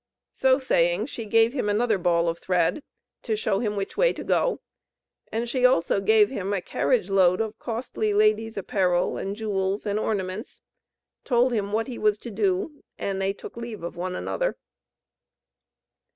So saying she gave him another ball of thread, to show him which way to go, and she also gave him a carriage load of costly lady's apparel and jewels, and ornaments told him what he was to do, and they took leave of one another.